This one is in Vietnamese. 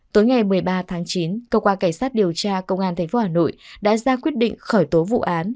tối ngày một mươi ba tháng chín cơ quan cảnh sát điều tra công an tp hà nội đã ra quyết định khởi tố vụ án